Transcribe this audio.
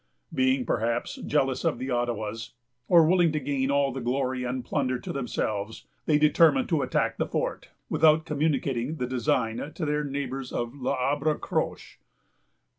Being, perhaps, jealous of the Ottawas, or willing to gain all the glory and plunder to themselves, they determined to attack the fort, without communicating the design to their neighbors of L'Arbre Croche.